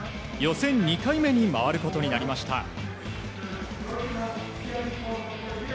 予選２回目に回ることになりました。